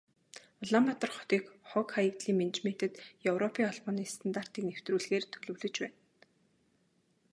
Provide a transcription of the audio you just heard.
Улаанбаатар хотын хог, хаягдлын менежментэд Европын Холбооны стандартыг нэвтрүүлэхээр төлөвлөж байна.